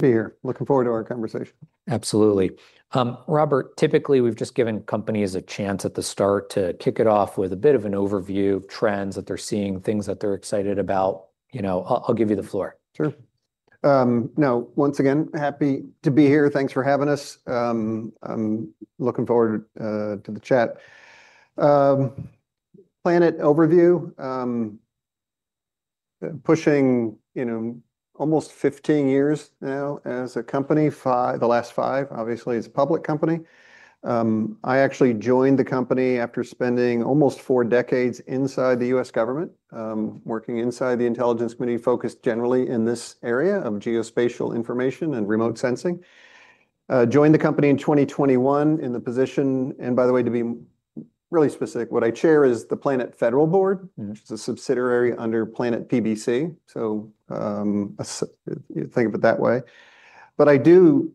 Good to be here. Looking forward to our conversation. Absolutely. Robert, typically, we've just given companies a chance at the start to kick it off with a bit of an overview, trends that they're seeing, things that they're excited about. You know, I'll give you the floor. Sure. Now, once again, happy to be here. Thanks for having us. I'm looking forward to the chat. Planet overview, pushing, you know, almost 15 years now as a company, five-the last five, obviously, as a public company. I actually joined the company after spending almost four decades inside the U.S. government, working inside the intelligence community, focused generally in this area of geospatial information and remote sensing. Joined the company in 2021 in the position. And by the way, to be really specific, what I chair is the Planet Federal Board. Mm-hmm. Which is a subsidiary under Planet PBC. So, think of it that way. But I do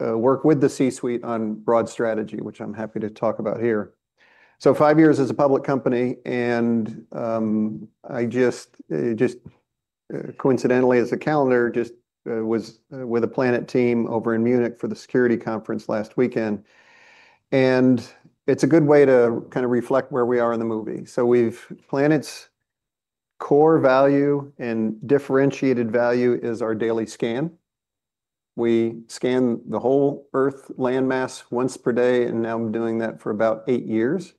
work with the C-suite on broad strategy, which I'm happy to talk about here. So five years as a public company, and I just coincidentally, as a calendar, was with the Planet team over in Munich for the Security Conference last weekend, and it's a good way to kind of reflect where we are in the movie. So Planet's core value and differentiated value is our daily scan. We scan the whole Earth landmass once per day, and now we're doing that for about eight years.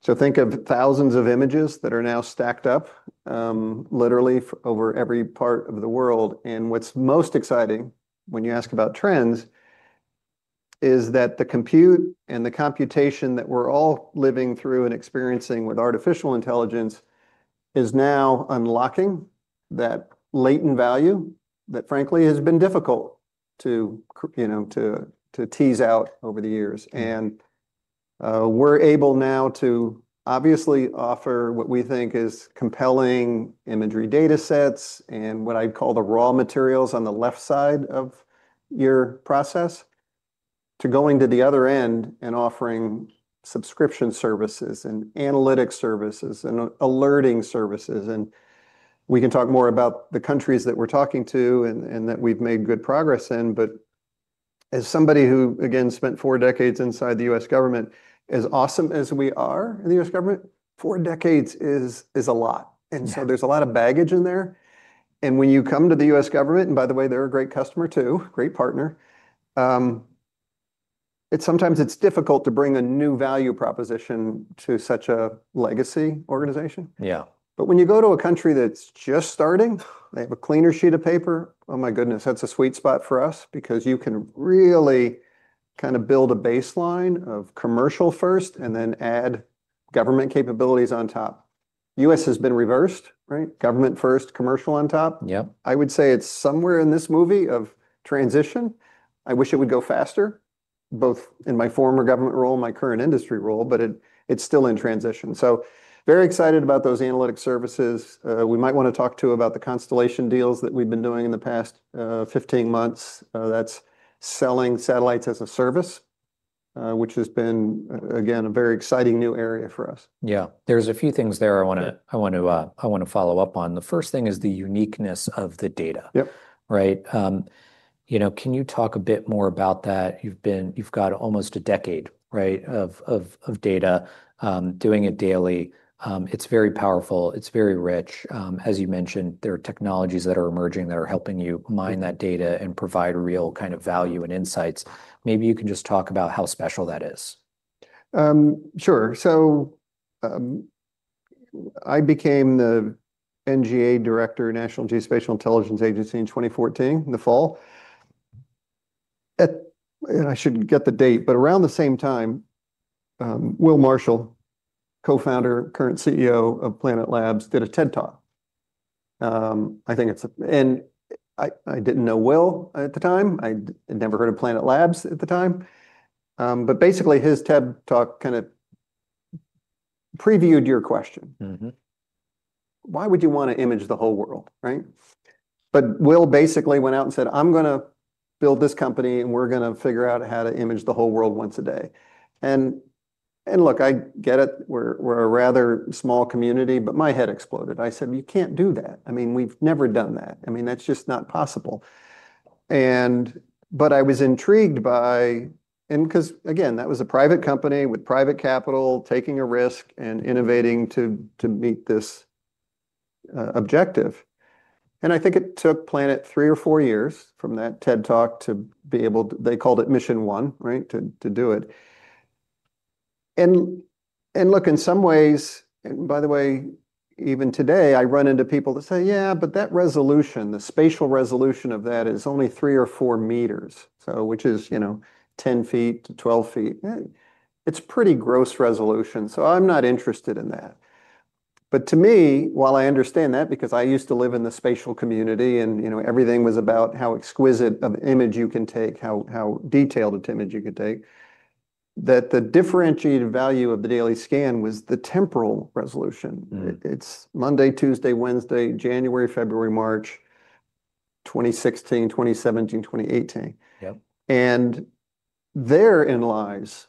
So think of thousands of images that are now stacked up, literally over every part of the world. What's most exciting, when you ask about trends, is that the compute and the computation that we're all living through and experiencing with artificial intelligence is now unlocking that latent value that frankly, has been difficult to, you know, to tease out over the years. Mm-hmm. We're able now to obviously offer what we think is compelling imagery datasets and what I'd call the raw materials on the left side of your process, to going to the other end and offering subscription services and analytics services and alerting services, and we can talk more about the countries that we're talking to and, and that we've made good progress in. But as somebody who, again, spent four decades inside the U.S. government, as awesome as we are in the U.S. government, four decades is a lot. Yeah And so there's a lot of baggage in there. When you come to the U.S. government, and by the way, they're a great customer too, great partner, it's sometimes difficult to bring a new value proposition to such a legacy organization. Yeah. When you go to a country that's just starting, they have a cleaner sheet of paper, oh, my goodness, that's a sweet spot for us because you can really kind of build a baseline of commercial first and then add government capabilities on top. U.S. has been reversed, right? Government first, commercial on top. Yep. I would say it's somewhere in this movie of transition. I wish it would go faster, both in my former government role and my current industry role, but it, it's still in transition. So very excited about those analytics services. We might wanna talk, too, about the constellation deals that we've been doing in the past 15 months. That's selling satellites as a service, which has been, again, a very exciting new area for us. Yeah, there's a few things there I wanna- Yeah... I want to, I wanna follow up on. The first thing is the uniqueness of the data. Yep. Right? You know, can you talk a bit more about that? You've got almost a decade, right, of data, doing it daily. It's very powerful. It's very rich. As you mentioned, there are technologies that are emerging that are helping you mine that data. Mm-hmm. And provide a real kind of value and insights. Maybe you can just talk about how special that is. Sure. So, I became the NGA director, National Geospatial-Intelligence Agency, in 2014, in the fall. And I should get the date, but around the same time, Will Marshall, co-founder, current CEO of Planet Labs, did a TED Talk. I think it's... And I didn't know Will at the time. I'd never heard of Planet Labs at the time. But basically, his TED Talk kind of previewed your question. Mm-hmm. Why would you want to image the whole world, right? But Will basically went out and said, "I'm gonna build this company, and we're gonna figure out how to image the whole world once a day." And, and look, I get it. We're, we're a rather small community, but my head exploded. I said: "You can't do that. I mean, we've never done that. I mean, that's just not possible." And, but I was intrigued by... And 'cause, again, that was a private company with private capital, taking a risk and innovating to, to meet this, objective. And I think it took Planet three or four years from that TED Talk to be able to- they called it Mission 1, right? To, to do it. Look, in some ways, and by the way, even today, I run into people that say: "Yeah, but that resolution, the spatial resolution of that is only 3 or 4 meters," so which is, you know, 10 feet to 12 feet. "It's pretty gross resolution, so I'm not interested in that." But to me, while I understand that, because I used to live in the spatial community, and, you know, everything was about how exquisite of image you can take, how detailed an image you could take, that the differentiated value of the daily scan was the temporal resolution. Mm-hmm. It's Monday, Tuesday, Wednesday, January, February, March 2016, 2017, 2018. Yep. Therein lies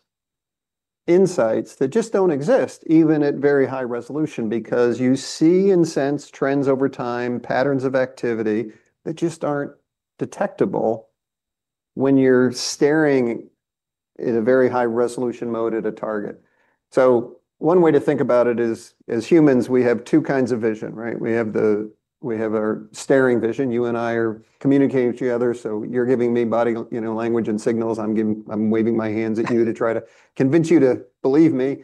insights that just don't exist, even at very high resolution, because you see and sense trends over time, patterns of activity that just aren't detectable when you're staring in a very high resolution mode at a target. So one way to think about it is, as humans, we have two kinds of vision, right? We have our staring vision. You and I are communicating with each other, so you're giving me body, you know, language and signals. I'm waving my hands at you to try to convince you to believe me.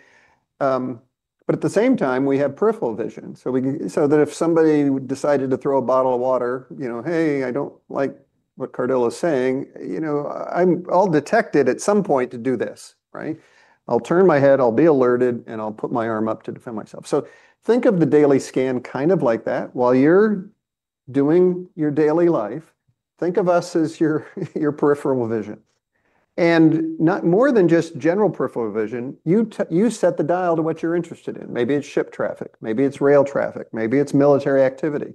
But at the same time, we have peripheral vision. So that if somebody decided to throw a bottle of water, you know, "Hey, I don't like what Cardillo is saying," you know, I'll detect it at some point to do this, right? I'll turn my head, I'll be alerted, and I'll put my arm up to defend myself. So think of the Daily Scan kind of like that. While you're doing your daily life, think of us as your peripheral vision. And not more than just general peripheral vision, you set the dial to what you're interested in. Maybe it's ship traffic, maybe it's rail traffic, maybe it's military activity.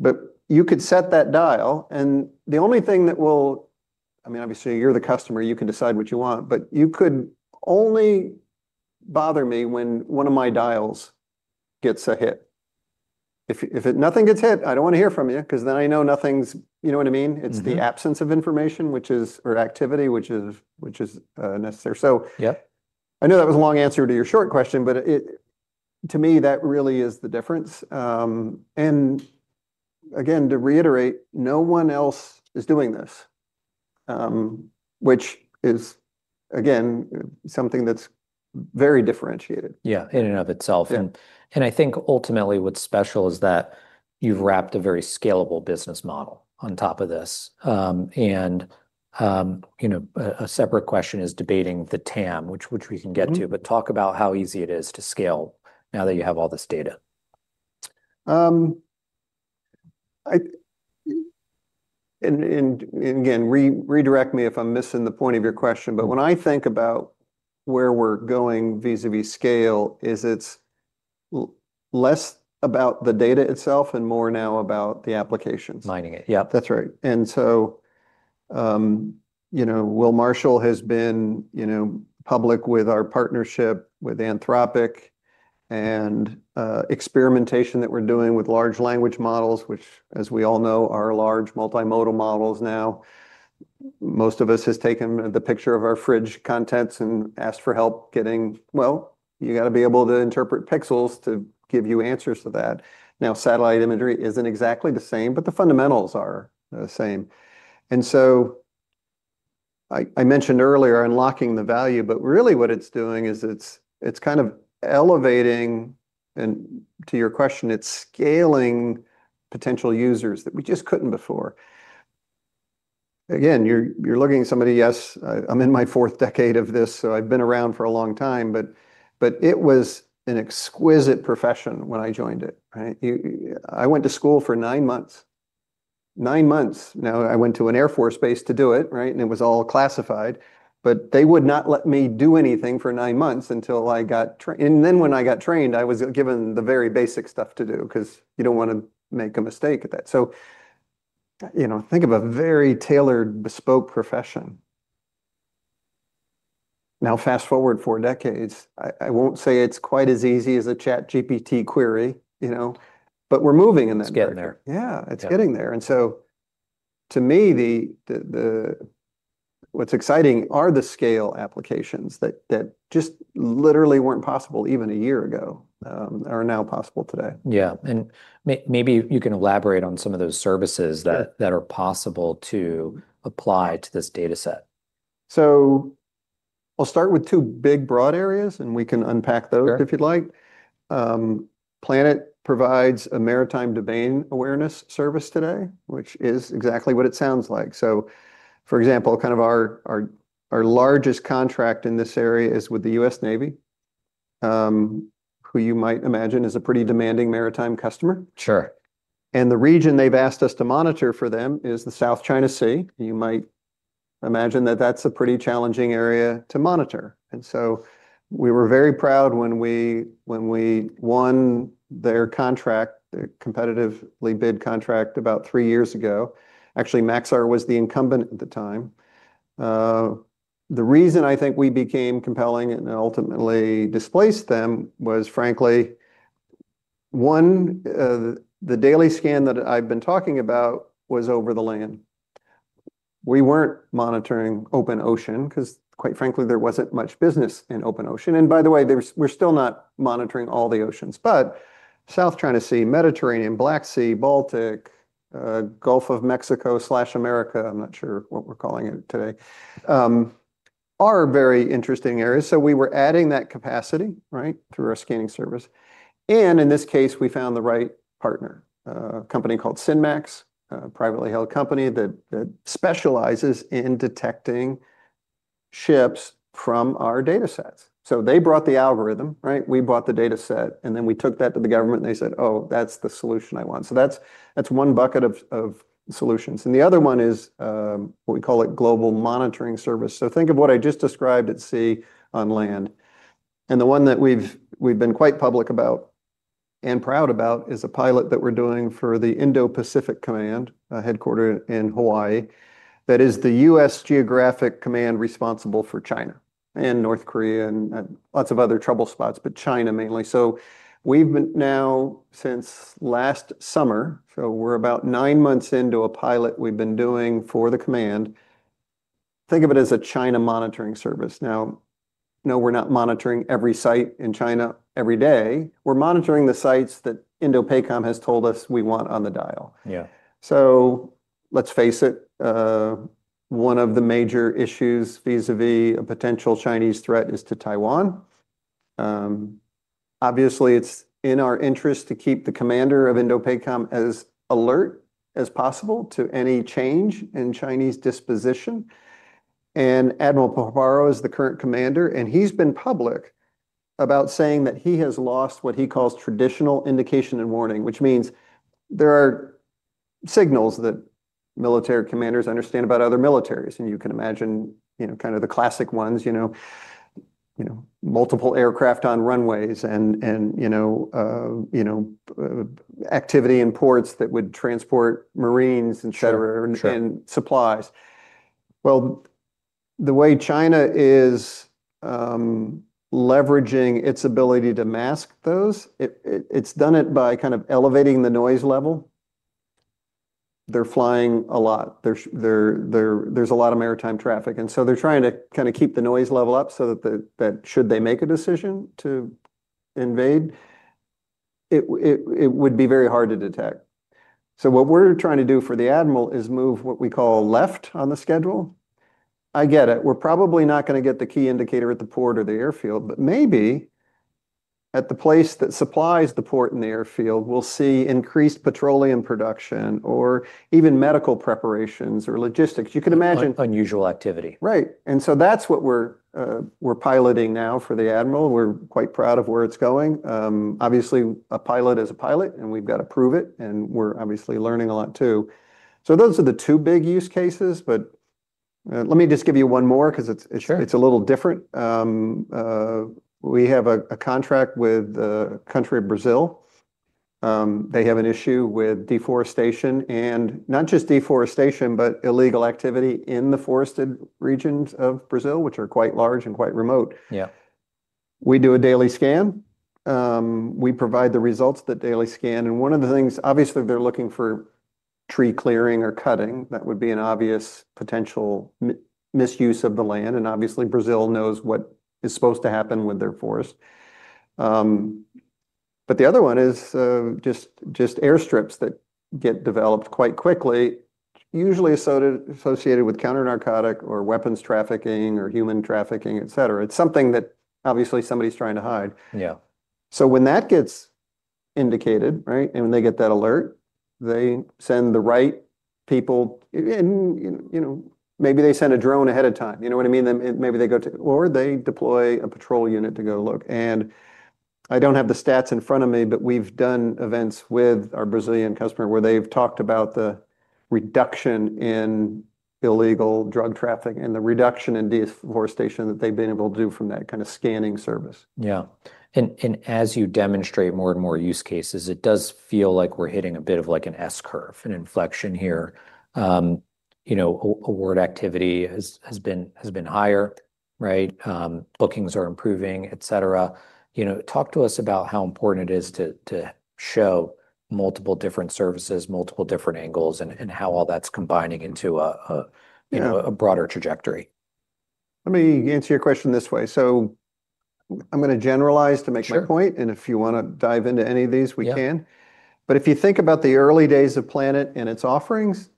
But you could set that dial, and the only thing that will... I mean, obviously, you're the customer, you can decide what you want, but you could only bother me when one of my dials gets a hit. If nothing gets hit, I don't want to hear from you, because then I know nothing's, you know what I mean? Mm-hmm. It's the absence of information or activity, which is necessary. Yeah. I know that was a long answer to your short question, but to me, that really is the difference. And again, to reiterate, no one else is doing this, which is, again, something that's very differentiated. Yeah, in and of itself. Yeah. I think ultimately what's special is that you've wrapped a very scalable business model on top of this. You know, a separate question is debating the TAM, which we can get to. Mm-hmm. But talk about how easy it is to scale now that you have all this data. And again, redirect me if I'm missing the point of your question, but when I think about where we're going vis-à-vis scale, it's less about the data itself and more now about the applications. Mining it. Yeah. That's right. And so, you know, Will Marshall has been, you know, public with our partnership with Anthropic and, experimentation that we're doing with large language models, which, as we all know, are large multimodal models now. Most of us has taken the picture of our fridge contents and asked for help getting... Well, you got to be able to interpret pixels to give you answers to that. Now, satellite imagery isn't exactly the same, but the fundamentals are the same. And so I mentioned earlier, unlocking the value, but really what it's doing is it's kind of elevating and to your question, it's scaling potential users that we just couldn't before. Again, you're looking at somebody... Yes, I'm in my fourth decade of this, so I've been around for a long time. But, but it was an exquisite profession when I joined it, right? I went to school for nine months. Nine months. Now, I went to an Air Force base to do it, right? And it was all classified, but they would not let me do anything for nine months until I got trained. And then when I got trained, I was given the very basic stuff to do, because you don't want to make a mistake at that. So, you know, think of a very tailored, bespoke profession. Now, fast-forward four decades, I, I won't say it's quite as easy as a ChatGPT query, you know, but we're moving in that direction. It's getting there. Yeah. Yeah. It's getting there. And so to me, what's exciting are the scale applications that just literally weren't possible even a year ago, are now possible today. Yeah. Maybe you can elaborate on some of those services- Sure.... that are possible to apply to this dataset. I'll start with two big, broad areas, and we can unpack those- Sure.... if you'd like. Planet provides a Maritime Domain Awareness Service today, which is exactly what it sounds like. So, for example, kind of our largest contract in this area is with the U.S. Navy, who you might imagine is a pretty demanding maritime customer. Sure. The region they've asked us to monitor for them is the South China Sea. You might imagine that that's a pretty challenging area to monitor, and so we were very proud when we, when we won their contract, their competitively bid contract, about three years ago. Actually, Maxar was the incumbent at the time. The reason I think we became compelling and ultimately displaced them was frankly, one, the daily scan that I've been talking about was over the land. We weren't monitoring open ocean because, quite frankly, there wasn't much business in open ocean. And by the way, there's- we're still not monitoring all the oceans, but South China Sea, Mediterranean, Black Sea, Baltic, Gulf of Mexico/America, I'm not sure what we're calling it today, are very interesting areas. So we were adding that capacity, right, through our scanning service. And in this case, we found the right partner, a company called SynMax, a privately held company that specializes in detecting ships from our datasets. So they brought the algorithm, right? We brought the dataset, and then we took that to the government, and they said, "Oh, that's the solution I want." So that's one bucket of solutions. And the other one is what we call Global Monitoring Service. So think of what I just described at sea, on land. And the one that we've been quite public about and proud about is a pilot that we're doing for the Indo-Pacific Command, headquartered in Hawaii. That is the U.S. geographic command responsible for China and North Korea, and lots of other trouble spots, but China mainly. We've been now since last summer, so we're about nine months into a pilot we've been doing for the command. Think of it as a China monitoring service. Now, no, we're not monitoring every site in China every day. We're monitoring the sites that INDOPACOM has told us we want on the dial. Yeah. So let's face it, one of the major issues vis-a-vis a potential Chinese threat is to Taiwan. Obviously, it's in our interest to keep the commander of INDOPACOM as alert as possible to any change in Chinese disposition, and Admiral Paparo is the current commander, and he's been public about saying that he has lost what he calls traditional indication and warning. Which means there are signals that military commanders understand about other militaries, and you can imagine, you know, kind of the classic ones, you know, multiple aircraft on runways and, you know, activity in ports that would transport marines and et cetera and supplies. Sure. Well, the way China is leveraging its ability to mask those, it's done it by kind of elevating the noise level. They're flying a lot. There's a lot of maritime traffic, and so they're trying to kinda keep the noise level up so that should they make a decision to invade, it would be very hard to detect. So what we're trying to do for the admiral is move what we call left on the schedule. I get it. We're probably not gonna get the key indicator at the port or the airfield, but maybe at the place that supplies the port and the airfield, we'll see increased petroleum production or even medical preparations or logistics. You can imagine- Unusual activity. Right. And so that's what we're piloting now for the admiral. We're quite proud of where it's going. Obviously, a pilot is a pilot, and we've got to prove it, and we're obviously learning a lot, too. So those are the two big use cases, but let me just give you one more, 'cause it's- Sure.... it's a little different. We have a contract with the country of Brazil. They have an issue with deforestation, and not just deforestation, but illegal activity in the forested regions of Brazil, which are quite large and quite remote. Yeah. We do a daily scan. We provide the results of that daily scan, and one of the things. Obviously, they're looking for tree clearing or cutting. That would be an obvious potential misuse of the land, and obviously, Brazil knows what is supposed to happen with their forest. But the other one is just airstrips that get developed quite quickly, usually associated with counter-narcotic or weapons trafficking or human trafficking, et cetera. It's something that obviously somebody's trying to hide. Yeah. So when that gets indicated, right, and when they get that alert, they send the right people. And you know, maybe they send a drone ahead of time. You know what I mean? Then maybe they go to... or they deploy a patrol unit to go look. And I don't have the stats in front of me, but we've done events with our Brazilian customer, where they've talked about the reduction in illegal drug traffic and the reduction in deforestation that they've been able to do from that kind of scanning service. Yeah. And as you demonstrate more and more use cases, it does feel like we're hitting a bit of like an S-curve, an inflection here. You know, award activity has been higher, right? Bookings are improving, et cetera. You know, talk to us about how important it is to show multiple different services, multiple different angles, and how all that's combining into a- Yeah.... you know, a broader trajectory. Let me answer your question this way. So I'm gonna generalize to make my point- Sure... and if you wanna dive into any of these, we can. Yeah. But if you think about the early days of Planet and its offerings,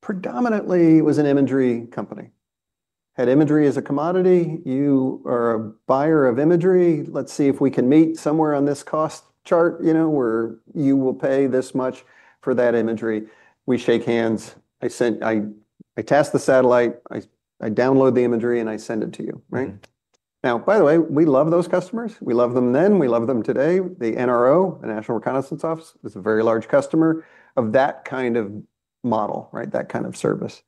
predominantly it was an imagery company. Had imagery as a commodity, you are a buyer of imagery. Let's see if we can meet somewhere on this cost chart, you know, where you will pay this much for that imagery. We shake hands. I task the satellite, I download the imagery, and I send it to you, right? Mm. Now, by the way, we love those customers. We loved them then, we love them today. The NRO, the National Reconnaissance Office, is a very large customer of that kind of model, right, that kind of service.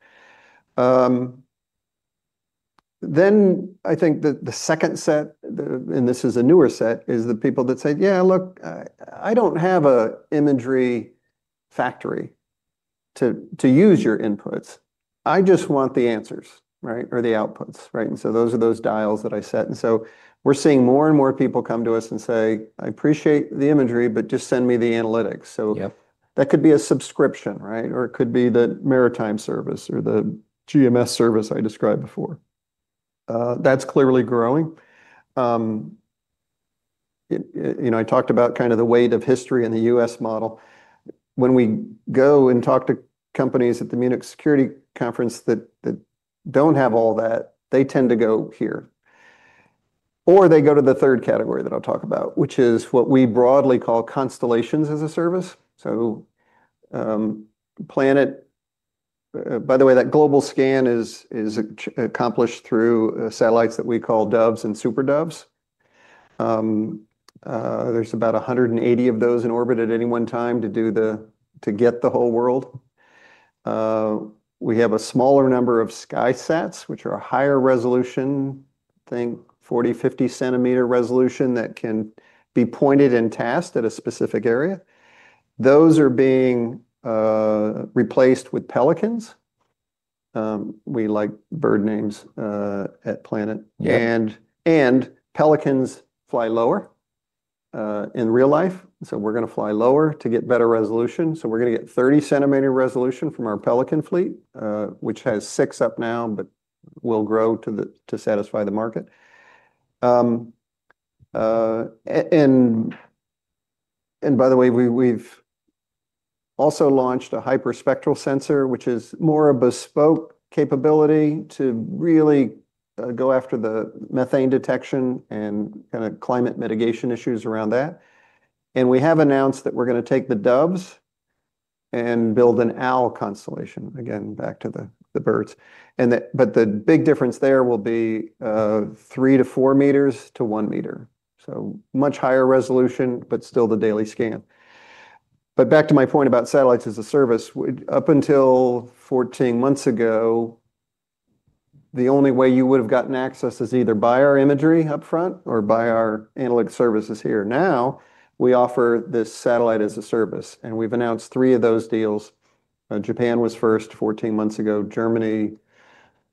Then I think the second set, and this is a newer set, is the people that said: "Yeah, look, I don't have a imagery factory to use your inputs. I just want the answers," right? Or the outputs, right? And so those are those dials that I set. And so we're seeing more and more people come to us and say: "I appreciate the imagery, but just send me the analytics." So- Yeah. ... that could be a subscription, right? Or it could be the maritime service or the GMS service I described before. That's clearly growing. It, you know, I talked about kind of the weight of history and the U.S. model. When we go and talk to companies at the Munich Security Conference that don't have all that, they tend to go here, or they go to the third category that I'll talk about, which is what we broadly call Constellations as a Service. So, Planet... By the way, that global scan is accomplished through satellites that we call Doves and SuperDoves. There's about 180 of those in orbit at any one time to get the whole world. We have a smaller number of SkySats, which are a higher resolution, I think 40-50-centimeter resolution that can be pointed and tasked at a specific area. Those are being replaced with Pelicans. We like bird names at Planet. Yeah. And Pelicans fly lower in real life, so we're gonna fly lower to get better resolution. So we're gonna get 30-centimeter resolution from our Pelican fleet, which has 6 up now but will grow to satisfy the market. And by the way, we've also launched a hyperspectral sensor, which is more a bespoke capability to really go after the methane detection and kind of climate mitigation issues around that. And we have announced that we're gonna take the Doves and build an Owl constellation. Again, back to the birds. But the big difference there will be 3-4 meters to 1 meter, so much higher resolution, but still the daily scan. But back to my point about satellites as a service, up until 14 months ago, the only way you would've gotten access is either buy our imagery upfront or buy our analytics services here. Now, we offer this satellite as a service, and we've announced 3 of those deals. Japan was first, 14 months ago; Germany,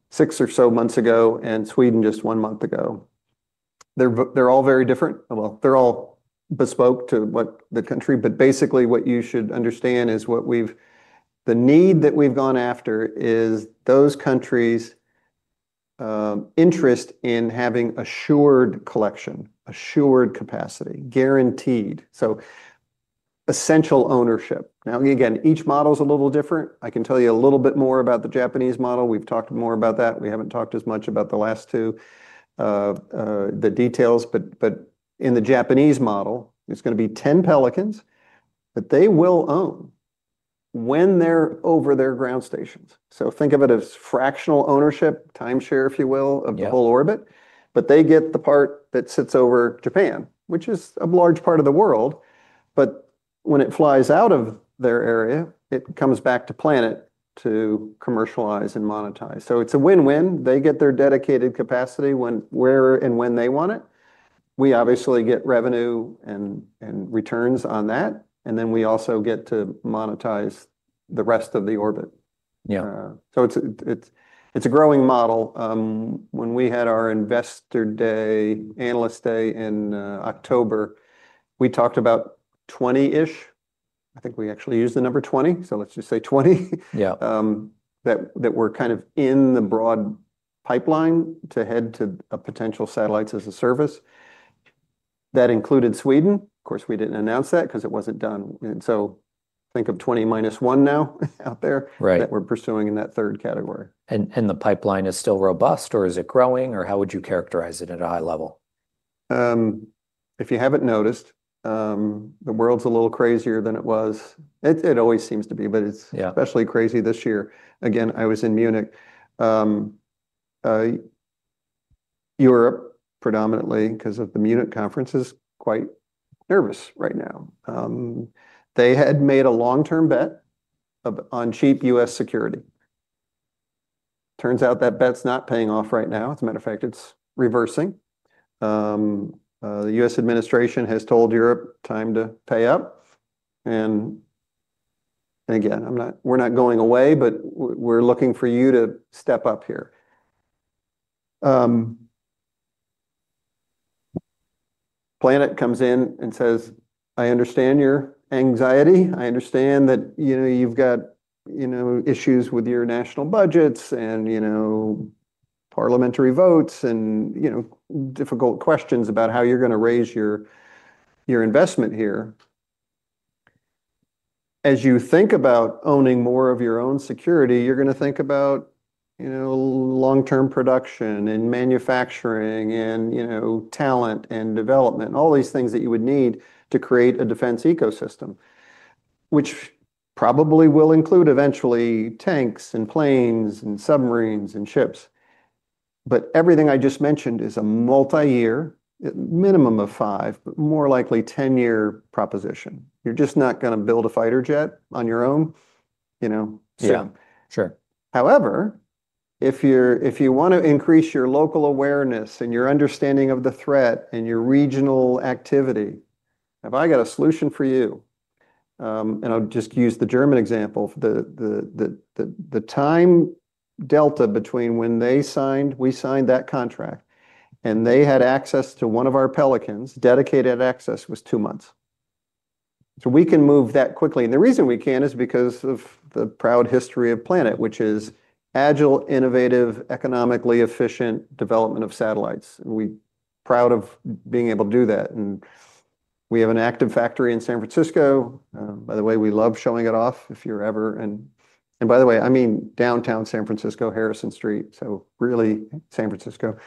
6 or so months ago; and Sweden, just 1 month ago. They're all very different. Well, they're all bespoke to what the country... But basically, what you should understand is the need that we've gone after is those countries' interest in having assured collection, assured capacity, guaranteed, so essential ownership. Now, again, each model is a little different. I can tell you a little bit more about the Japanese model. We've talked more about that. We haven't talked as much about the last two, the details. But in the Japanese model, it's gonna be 10 Pelicans that they will own when they're over their ground stations. So think of it as fractional ownership, timeshare, if you will- Yeah.... of the whole orbit. But they get the part that sits over Japan, which is a large part of the world. But when it flies out of their area, it comes back to Planet to commercialize and monetize. So it's a win-win. They get their dedicated capacity when, where and when they want it. We obviously get revenue and, and returns on that, and then we also get to monetize the rest of the orbit. Yeah. So it's a growing model. When we had our Investor Day, Analyst Day in October, we talked about 20-ish. I think we actually used the number 20, so let's just say 20 - Yeah. ...that were kind of in the broad pipeline to head to a potential satellites as a service. That included Sweden. Of course, we didn't announce that 'cause it wasn't done. And so think of 20 - 1 now out there- Right.... that we're pursuing in that third category. And the pipeline is still robust, or is it growing, or how would you characterize it at a high level? If you haven't noticed, the world's a little crazier than it was. It always seems to be, but it's- Yeah.... especially crazy this year. Again, I was in Munich. Europe, predominantly, because of the Munich conference, is quite nervous right now. They had made a long-term bet of, on cheap U.S. security. Turns out that bet's not paying off right now. As a matter of fact, it's reversing. The U.S. administration has told Europe, "Time to pay up," and, and again, "we're not going away, but we're looking for you to step up here." Planet comes in and says, "I understand your anxiety. I understand that, you know, you've got, you know, issues with your national budgets and, you know, parliamentary votes and, you know, difficult questions about how you're gonna raise your, your investment here. As you think about owning more of your own security, you're gonna think about, you know, long-term production and manufacturing and, you know, talent and development, all these things that you would need to create a defense ecosystem, which probably will include, eventually, tanks and planes and submarines and ships. But everything I just mentioned is a multi-year, minimum of 5, but more likely 10-year proposition. You're just not gonna build a fighter jet on your own, you know? Yeah. So- Sure. However, if you want to increase your local awareness and your understanding of the threat and your regional activity, have I got a solution for you! And I'll just use the German example. The time delta between when they signed... We signed that contract, and they had access to one of our Pelicans, dedicated access, was two months. So we can move that quickly, and the reason we can is because of the proud history of Planet, which is agile, innovative, economically efficient development of satellites. We're proud of being able to do that, and we have an active factory in San Francisco. By the way, we love showing it off, if you're ever... And by the way, I mean downtown San Francisco, Harrison Street, so really San Francisco.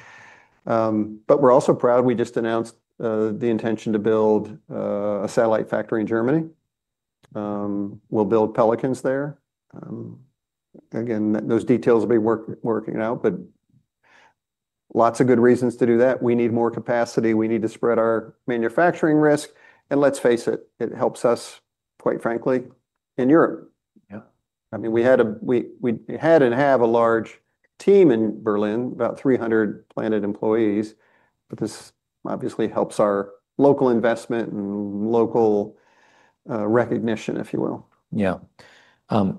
But we're also proud, we just announced the intention to build a satellite factory in Germany. We'll build Pelicans there. Again, those details will be working out, but lots of good reasons to do that. We need more capacity, we need to spread our manufacturing risk, and let's face it, it helps us, quite frankly, in Europe. Yeah. I mean, we had and have a large team in Berlin, about 300 Planet employees, but this obviously helps our local investment and local recognition, if you will. Yeah.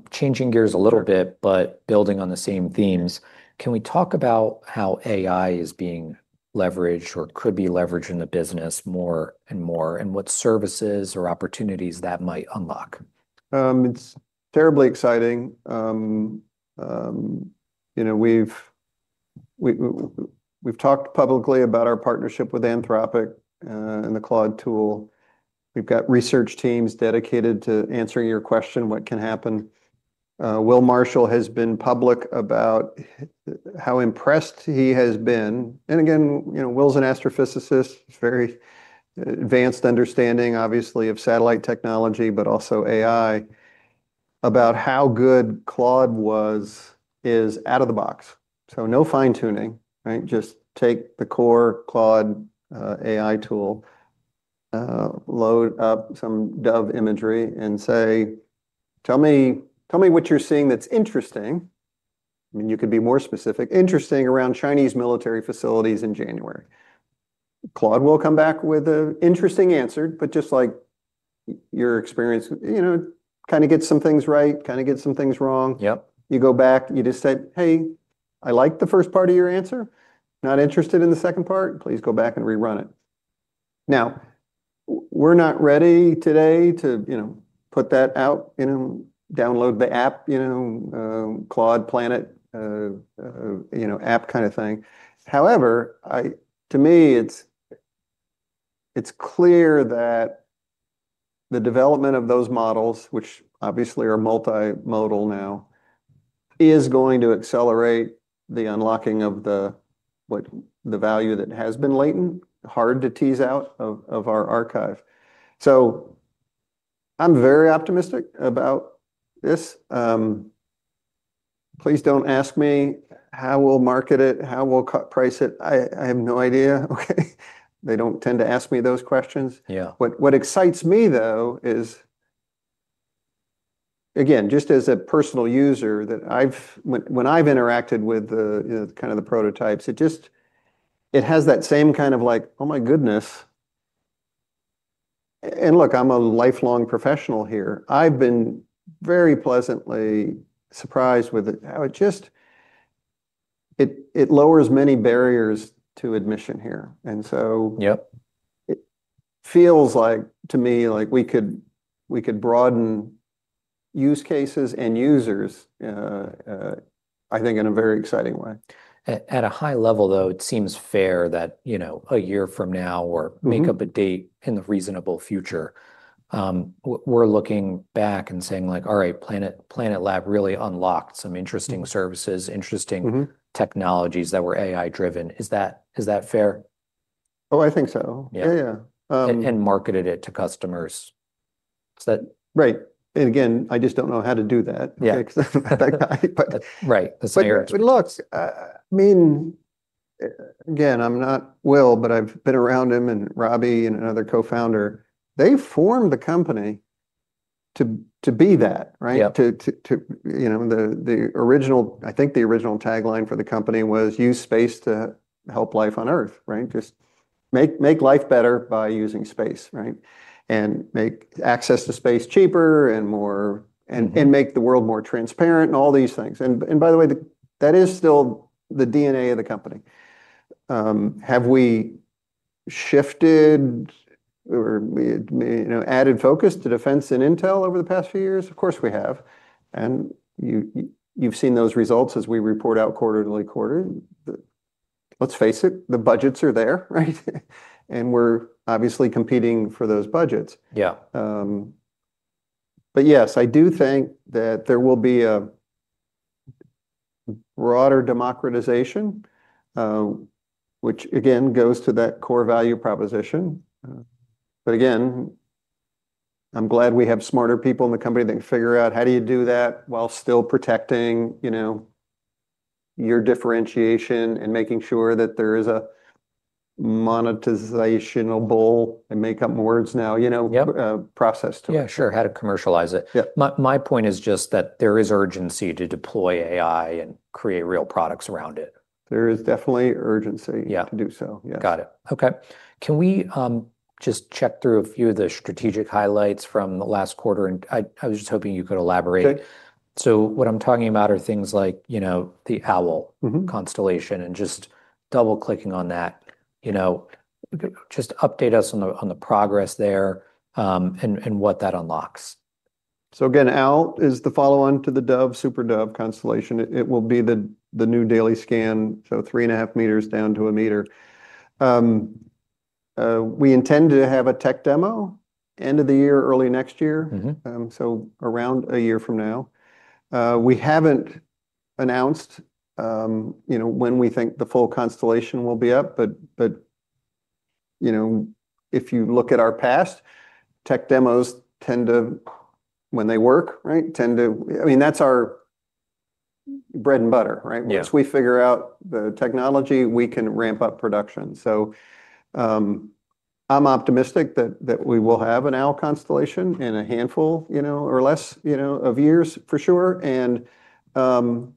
Changing gears a little bit, but building on the same themes, can we talk about how AI is being leveraged or could be leveraged in the business more and more, and what services or opportunities that might unlock? It's terribly exciting. You know, we've talked publicly about our partnership with Anthropic and the Claude tool. We've got research teams dedicated to answering your question, what can happen? Will Marshall has been public about how impressed he has been. And again, you know, Will's an astrophysicist. He's very advanced understanding, obviously, of satellite technology, but also AI, about how good Claude was - is out of the box. So no fine-tuning, right? Just take the core Claude AI tool, load up some Dove imagery and say, "Tell me, tell me what you're seeing that's interesting." I mean, you could be more specific, interesting around Chinese military facilities in January. Claude will come back with an interesting answer, but just like your experience, you know, kind of get some things right, kind of get some things wrong. Yep. You go back, you just said, "Hey, I like the first part of your answer. Not interested in the second part. Please go back and rerun it." Now, we're not ready today to, you know, put that out, you know, download the app, you know, Claude Planet, you know, app kind of thing. However, to me, it's clear that the development of those models, which obviously are multimodal now, is going to accelerate the unlocking of the value that has been latent, hard to tease out of our archive. So I'm very optimistic about this. Please don't ask me how we'll market it, how we'll co-price it. I have no idea, okay? They don't tend to ask me those questions. Yeah. What excites me, though, is again, just as a personal user, that I've, when I've interacted with the kind of prototypes, it just, it has that same kind of like: Oh, my goodness! And look, I'm a lifelong professional here. I've been very pleasantly surprised with it. How it just... It lowers many barriers to admission here. And so- Yep... it feels like, to me, like we could broaden use cases and users, I think, in a very exciting way. At a high level, though, it seems fair that, you know, a year from now or- Mm-hmm Make up a date in the reasonable future, we're looking back and saying like: "All right, Planet Labs really unlocked some interesting services, interesting- Mm-hmm “technologies that were AI-driven.” Is that, is that fair? Oh, I think so. Yeah. Yeah, yeah, And marketed it to customers. Is that? Right. And again, I just don't know how to do that. Yeah. But, uh... Right. The scenario. But look, I mean, again, I'm not Will, but I've been around him and Robbie and another co-founder. They formed the company to be that, right? Yep. You know, the original, I think the original tagline for the company was, "Use space to help life on Earth," right? Just make life better by using space, right? And make access to space cheaper and more- Mm-hmm.... and make the world more transparent and all these things. And by the way, that is still the DNA of the company. Have we shifted or we you know added focus to defense and intel over the past few years? Of course, we have. And you've seen those results as we report out quarterly quarter. Let's face it, the budgets are there, right? And we're obviously competing for those budgets. Yeah. But yes, I do think that there will be a broader democratization, which again, goes to that core value proposition. But again, I'm glad we have smarter people in the company that can figure out, how do you do that while still protecting, you know, your differentiation and making sure that there is a monetizationable, I make up words now, you know- Yep... process to- Yeah, sure, how to commercialize it. Yep. My, my point is just that there is urgency to deploy AI and create real products around it. There is definitely urgency- Yeah to do so, yeah. Got it. Okay. Can we just check through a few of the strategic highlights from the last quarter? And I was just hoping you could elaborate. Good. What I'm talking about are things like, you know, the Owl- Mm-hmm - constellation, and just double-clicking on that. You know, just update us on the progress there, and what that unlocks. So again, Owl is the follow-on to the Dove, SuperDove constellation. It will be the new Daily Scan, so 3.5 meters down to 1 meter. We intend to have a tech demo end of the year, early next year. Mm-hmm. So around a year from now. We haven't announced, you know, when we think the full constellation will be up, but, you know, if you look at our past, tech demos tend to, when they work, right? I mean, that's our bread and butter, right? Yeah. Once we figure out the technology, we can ramp up production. So, I'm optimistic that we will have an Owl constellation in a handful, you know, or less, you know, of years, for sure. You know,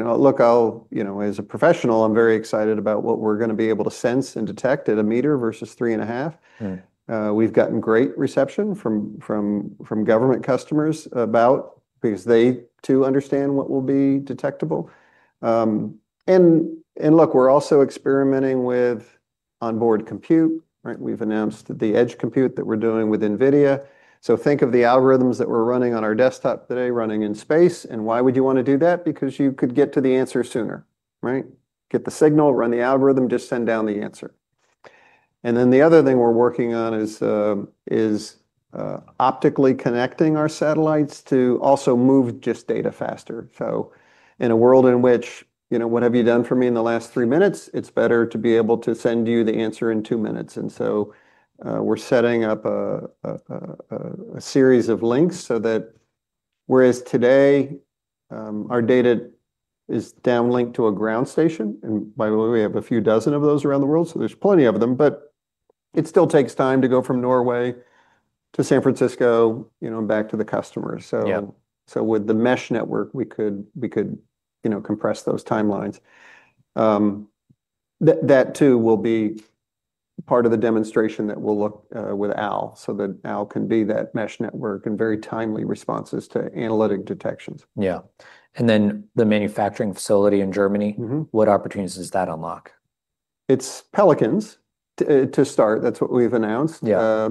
look, I'll—you know, as a professional, I'm very excited about what we're gonna be able to sense and detect at 1 meter versus 3.5. Right. We've gotten great reception from government customers about, because they too understand what will be detectable. And look, we're also experimenting with onboard compute, right? We've announced the Edge Compute that we're doing with NVIDIA. So think of the algorithms that we're running on our desktop today, running in space, and why would you wanna do that? Because you could get to the answer sooner, right? Get the signal, run the algorithm, just send down the answer. And then the other thing we're working on is optically connecting our satellites to also move just data faster. So in a world in which, you know, what have you done for me in the last three minutes? It's better to be able to send you the answer in two minutes. And so, we're setting up a series of links so that whereas today, our data is downlinked to a ground station, and by the way, we have a few dozen of those around the world, so there's plenty of them, but it still takes time to go from Norway to San Francisco, you know, and back to the customer. So- Yeah. So with the mesh network, we could, you know, compress those timelines. That too will be part of the demonstration that we'll look with Owl, so that Owl can be that mesh network and very timely responses to analytic detections. Yeah. And then the manufacturing facility in Germany- Mm-hmm. What opportunities does that unlock? It's Pelican's to start. That's what we've announced. Yeah.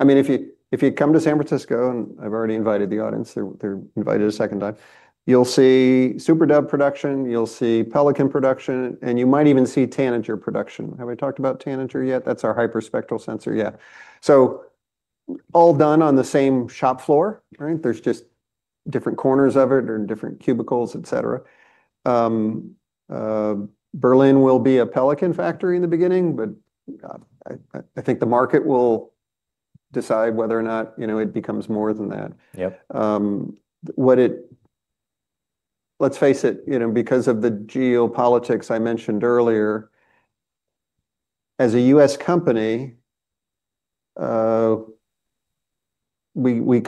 I mean, if you come to San Francisco, and I've already invited the audience, they're invited a second time, you'll see SuperDove production, you'll see Pelican production, and you might even see Tanager production. Have I talked about Tanager yet? That's our hyperspectral sensor. Yeah. So all done on the same shop floor, right? There's just different corners of it or different cubicles, et cetera. Berlin will be a Pelican factory in the beginning, but I think the market will decide whether or not, you know, it becomes more than that. Yep. Let's face it, you know, because of the geopolitics I mentioned earlier, as a U.S. company, we, we're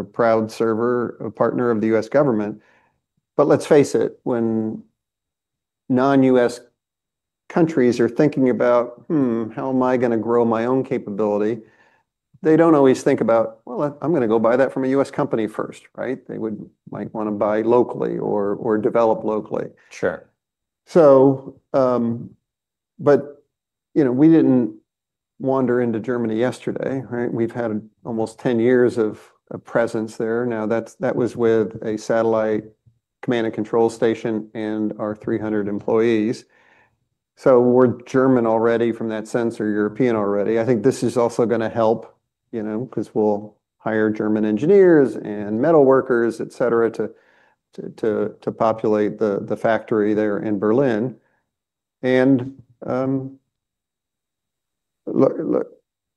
a proud servant, a partner of the U.S. government. But let's face it, when non-U.S. countries are thinking about, "Hmm, how am I gonna grow my own capability?" They don't always think about, "Well, I'm gonna go buy that from a U.S. company first," right? They might wanna buy locally or develop locally. Sure. So, but, you know, we didn't wander into Germany yesterday, right? We've had almost 10 years of presence there. Now, that's that was with a satellite command and control station and our 300 employees. So we're German already from that sense or European already. I think this is also gonna help, you know, 'cause we'll hire German engineers and metal workers, et cetera, to populate the factory there in Berlin. And, look,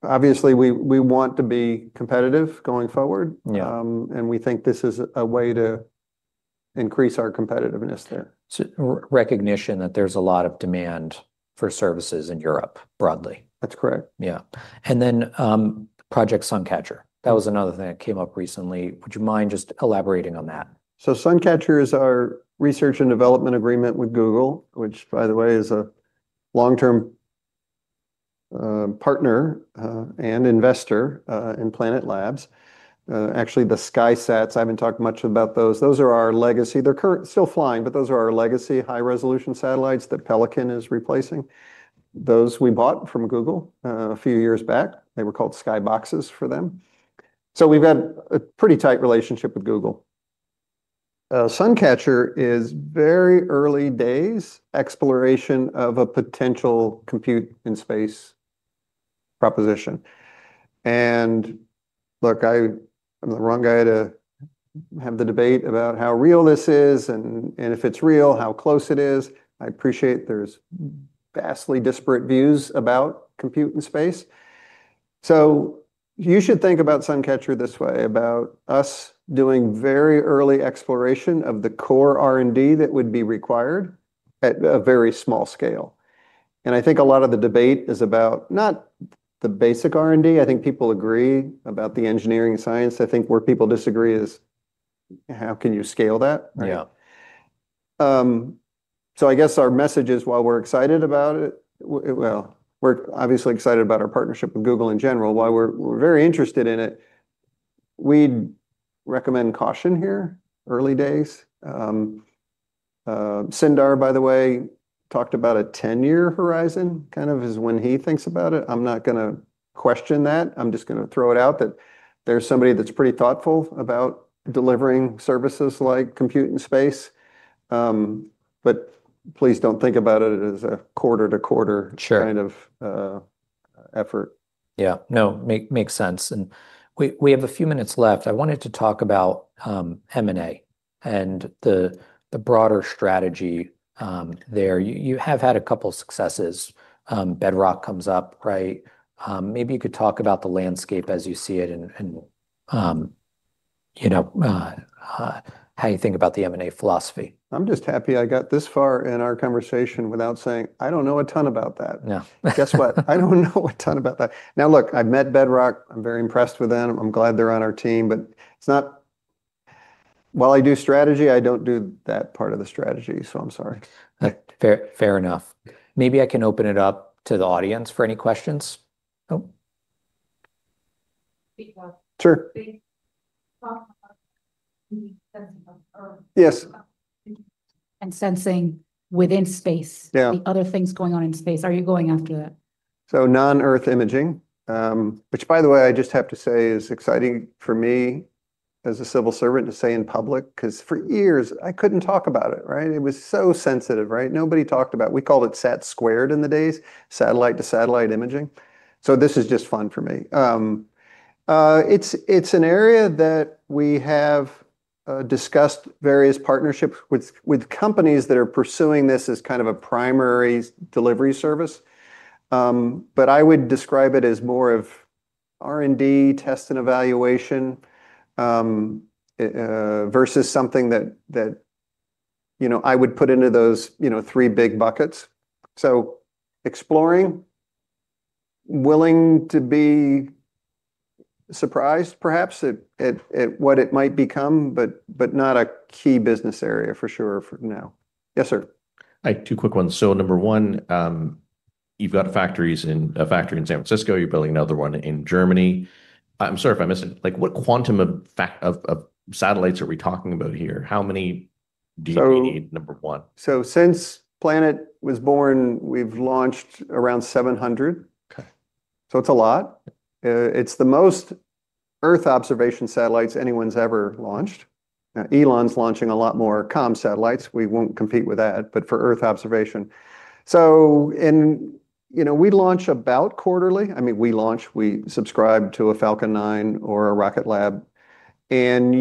obviously, we want to be competitive going forward- Yeah... and we think this is a way to increase our competitiveness there. Recognition that there's a lot of demand for services in Europe, broadly. That's correct. Yeah. And then, Project SunCatcher, that was another thing that came up recently. Would you mind just elaborating on that? So SunCatcher is our research and development agreement with Google, which, by the way, is a long-term partner and investor in Planet Labs. Actually, the SkySats, I haven't talked much about those. Those are our legacy. They're currently still flying, but those are our legacy, high-resolution satellites that Pelican is replacing. Those we bought from Google a few years back. They were called Skybox for them. So we've had a pretty tight relationship with Google. SunCatcher is very early days exploration of a potential compute in space proposition. And look, I'm the wrong guy to have the debate about how real this is, and if it's real, how close it is. I appreciate there's vastly disparate views about compute in space. You should think about SunCatcher this way, about us doing very early exploration of the core R&D that would be required at a very small scale. I think a lot of the debate is about, not the basic R&D, I think people agree about the engineering science. I think where people disagree is, how can you scale that? Yeah. So I guess our message is, while we're excited about it. Well, we're obviously excited about our partnership with Google in general. While we're, we're very interested in it, we'd recommend caution here, early days. Sundar, by the way, talked about a 10-year horizon, kind of is when he thinks about it. I'm not gonna question that. I'm just gonna throw it out that there's somebody that's pretty thoughtful about delivering services like compute in space. But please don't think about it as a quarter-to-quarter- Sure.... kind of, effort. Yeah, no, makes sense. And we have a few minutes left. I wanted to talk about M&A and the broader strategy there. You have had a couple successes. Bedrock comes up, right? Maybe you could talk about the landscape as you see it and you know how you think about the M&A philosophy. I'm just happy I got this far in our conversation without saying, "I don't know a ton about that. Yeah. Guess what? I don't know a ton about that. Now, look, I've met Bedrock. I'm very impressed with them. I'm glad they're on our team, but it's not... While I do strategy, I don't do that part of the strategy, so I'm sorry. Fair, fair enough. Maybe I can open it up to the audience for any questions. Oh. Sure. Yes. And sensing within space- Yeah.... the other things going on in space, are you going after that? So non-Earth imaging, which by the way, I just have to say is exciting for me as a civil servant to say in public, because for years I couldn't talk about it, right? It was so sensitive, right? Nobody talked about, we called it Sat-Squared in the days, satellite-to-satellite imaging. So this is just fun for me. It's an area that we have discussed various partnerships with companies that are pursuing this as kind of a primary delivery service. But I would describe it as more of R&D test and evaluation versus something that you know, I would put into those you know, three big buckets. So exploring, willing to be surprised perhaps at what it might become, but not a key business area for sure for now. Yes, sir. I have two quick ones. So, number one, you've got a factory in San Francisco. You're building another one in Germany. I'm sorry if I missed it. Like, what quantum of satellites are we talking about here? How many do you need number 1? So, since Planet was born, we've launched around 700. Okay. So, it's a lot. It's the most Earth observation satellites anyone's ever launched. Now, Elon's launching a lot more comm satellites. We won't compete with that, but for Earth observation. So and, you know, we launch about quarterly. I mean, we launch, we subscribe to a Falcon 9 or a Rocket Lab. And,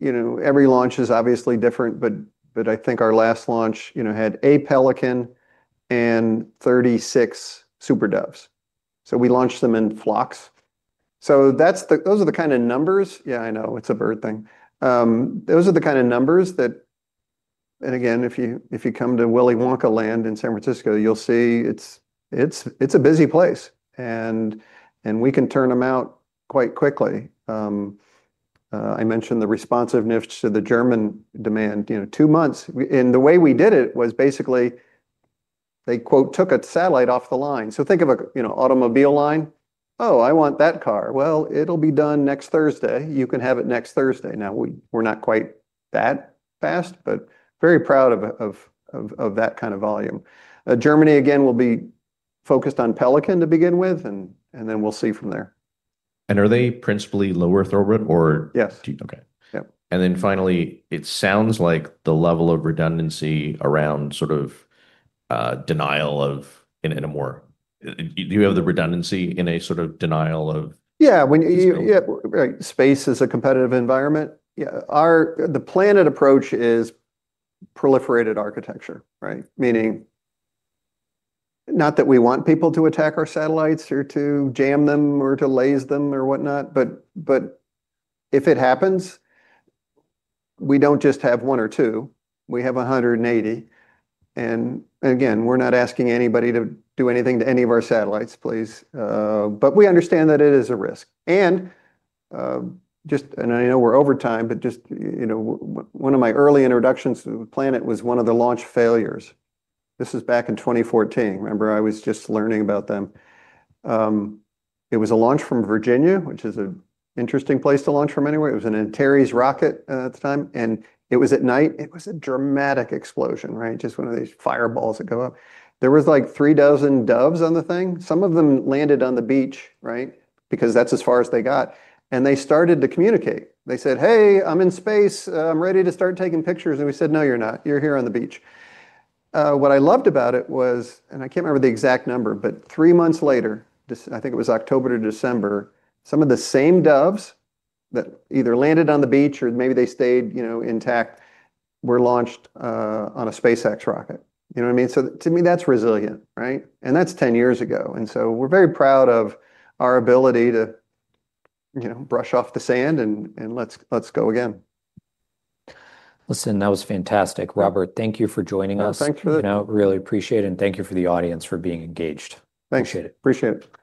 you know, every launch is obviously different, but, but I think our last launch, you know, had a Pelican and 36 SuperDoves. So, we launched them in flocks. So that's the- those are the kind of numbers. Yeah, I know, it's a bird thing. Those are the kind of numbers that, and again, if you, if you come to Willy Wonka land in San Francisco, you'll see it's, it's, it's a busy place, and, and we can turn them out quite quickly. I mentioned the responsiveness to the German demand, you know, two months. We and the way we did it was basically, they quote, "Took a satellite off the line." So think of a, you know, automobile line. "Oh, I want that car." "Well, it'll be done next Thursday. You can have it next Thursday." Now, we're not quite that fast, but very proud of that kind of volume. Germany again, will be focused on Pelican to begin with, and then we'll see from there. Are they principally Low Earth Orbit or- Yes. Okay. Yep. And then finally, it sounds like the level of redundancy around sort of, denial of, in a more... Do you have the redundancy in a sort of denial of- Yeah, when you-... yeah. Space is a competitive environment. Yeah, the Planet approach is proliferated architecture, right? Meaning, not that we want people to attack our satellites or to jam them or to lase them or whatnot, but if it happens, we don't just have one or two, we have 180. And again, we're not asking anybody to do anything to any of our satellites, please. But we understand that it is a risk. And I know we're over time, but just, you know, one of my early introductions to the Planet was one of the launch failures. This is back in 2014. Remember, I was just learning about them. It was a launch from Virginia, which is an interesting place to launch from anywhere. It was an Antares rocket, at the time, and it was at night. It was a dramatic explosion, right? Just one of these fireballs that go up. There was like 36 Doves on the thing. Some of them landed on the beach, right? Because that's as far as they got. And they started to communicate. They said: "Hey, I'm in space. I'm ready to start taking pictures." And we said: "No, you're not. You're here on the beach." What I loved about it was, and I can't remember the exact number, but three months later, I think it was October to December, some of the same Doves that either landed on the beach or maybe they stayed, you know, intact, were launched on a SpaceX rocket. You know what I mean? So to me, that's resilient, right? And that's 10 years ago. And so we're very proud of our ability to, you know, brush off the sand, and, and let's, let's go again. Listen, that was fantastic. Robert, thank you for joining us. Thank you. You know, really appreciate it, and thank you for the audience for being engaged. Thanks. Appreciate it. Appreciate it.